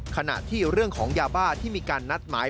ขณะที่เรื่องของยาบ้าที่มีการนัดหมาย